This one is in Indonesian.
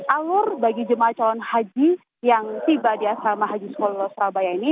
alur bagi jemaah calon haji yang tiba di asrama haji sukolo surabaya ini